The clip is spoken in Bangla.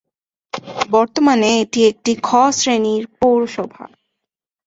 বর্তমানে এটি একটি "খ" শ্রেণীর পৌরসভা।